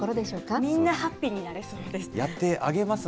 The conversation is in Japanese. みんなハッピーになれそうですね。